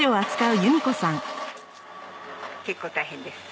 結構大変です。